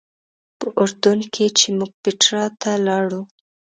په اردن کې چې موږ پیټرا ته لاړو.